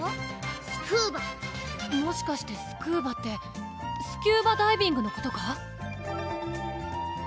スクーバもしかしてスクーバってスキューバダイビングのことか？